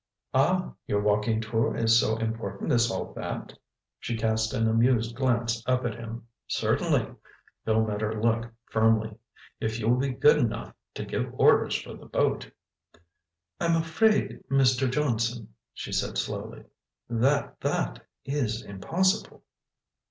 "Ah—your walking tour is so important as all that?" She cast an amused glance up at him. "Certainly." Bill met her look firmly. "If you will be good enough to give orders for the boat—" "I'm afraid, Mr. Johnson," she said slowly, "that that is impossible."